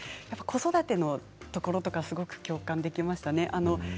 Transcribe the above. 子育てのところとかすごく共感できましたね。